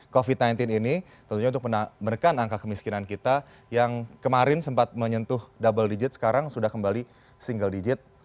covid sembilan belas ini tentunya untuk menekan angka kemiskinan kita yang kemarin sempat menyentuh double digit sekarang sudah kembali single digit